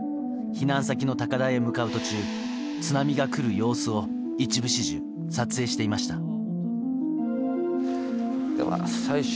避難先の高台へ向かう途中津波が来る様子を一部始終、撮影していました。